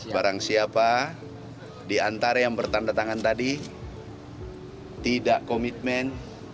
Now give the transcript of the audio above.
barang siapa di antara yang bertanda tangan tadi tidak komitmen